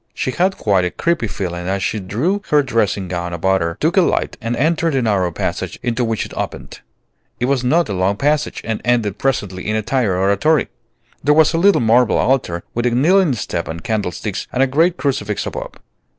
She had quite a creepy feeling as she drew her dressing gown about her, took a light, and entered the narrow passage into which it opened. It was not a long passage, and ended presently in a tiny oratory. There was a little marble altar, with a kneeling step and candlesticks and a great crucifix above.